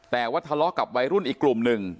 แต่ว่าทะเลาะกับวัยรุ่นอีกกลุ่มหนึ่ง